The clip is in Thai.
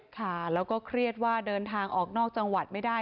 ค่ะแล้วก็เครียดว่าเดินทางออกนอกจังหวัดไม่ได้